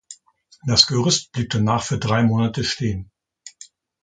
Das Gerüst blieb danach für drei Monate stehen.